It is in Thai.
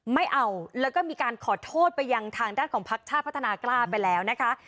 ไม่เอาแล้วก็มีการขอโทษไปยังทางด้านของพักชาติพัฒนากล้าไปแล้วนะคะ